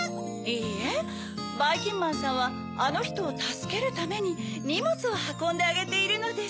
いいえばいきんまんさんはあのひとをたすけるためににもつをはこんであげているのです。